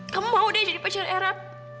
kamu mau deh jadi pecel erat